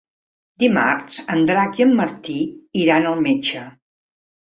Dimarts en Drac i en Martí iran al metge.